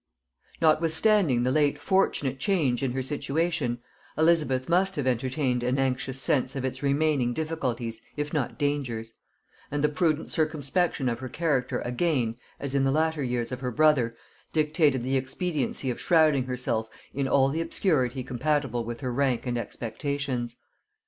Notwithstanding the late fortunate change in her situation, Elizabeth must have entertained an anxious sense of its remaining difficulties, if not dangers; and the prudent circumspection of her character again, as in the latter years of her brother, dictated the expediency of shrouding herself in all the obscurity compatible with her rank and expectations.